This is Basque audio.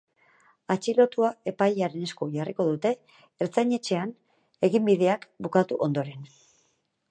Atxilotua epailearen esku jarriko dute ertzain-etxean eginbideak bukatu ondoren.